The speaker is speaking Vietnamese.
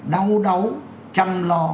đau đấu chăm lo